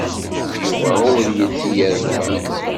Yuba ur yelli yerfa.